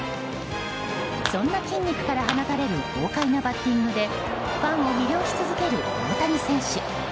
そんな筋肉から放たれる豪快なバッティングでファンを魅了し続ける大谷選手。